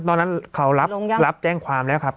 ตอนนั้นเขารับแจ้งความแล้วครับ